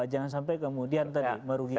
jangan sampai kemudian tadi merugikan